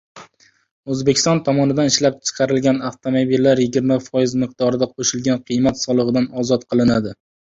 Uzbekistan tomonidan ishlab chiqarilgan avtomobillar yigirma foiz miqdorida qoʻshilgan qiymat soligʻidan ozod qilinadi.